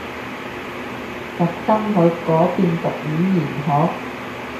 特登去嗰邊讀語言學？